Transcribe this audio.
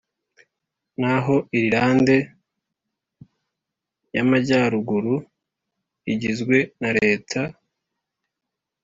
naho Irilande y Amajyaruguru igizwe na leta